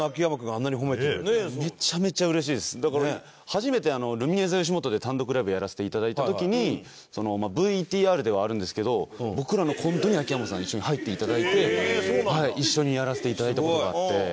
初めてルミネｔｈｅよしもとで単独ライブをやらせて頂いた時にＶＴＲではあるんですけど僕らのコントに秋山さん一緒に入って頂いて一緒にやらせて頂いた事があって。